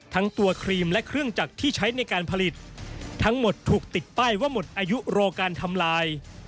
ทั้งตัวครีมและเครื่องจักรที่ใช้ในการผลิตทั้งหมดถูกติดป้ายว่าหมดอายุรอการทำลาย